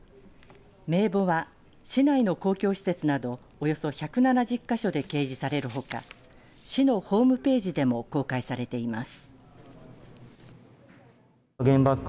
名簿は市内の公共施設などおよそ１７０か所で掲示されるほか市のホームページでも公開されています。